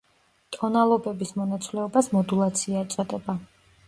ტონალობების მონაცვლეობას მოდულაცია ეწოდება.